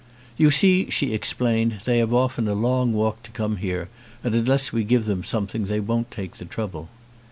"You see," she explained, "they have often a long walk to come here and unless we give them something they won't take the trouble."